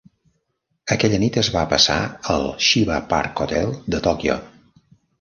Aquella nit es va passar al Shiba Park Hotel de Tòquio.